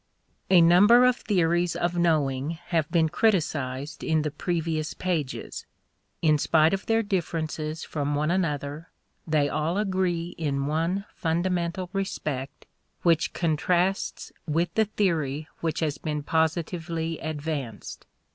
A number of theories of knowing have been criticized in the previous pages. In spite of their differences from one another, they all agree in one fundamental respect which contrasts with the theory which has been positively advanced.